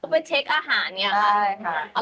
ไปตราบราวน์แหละ